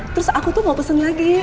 terus aku tuh mau pesen lagi